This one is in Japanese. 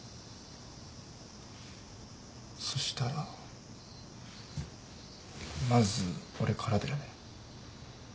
そしたらまず俺からだよね。